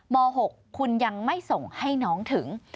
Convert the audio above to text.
ม๖คุณยังไม่ส่งให้น้องถึง